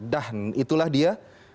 dan itulah dia